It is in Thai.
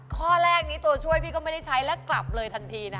ข้อแรกนี้ตัวช่วยพี่ก็ไม่ได้ใช้แล้วกลับเลยทันทีนะ